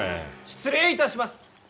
失礼いたします。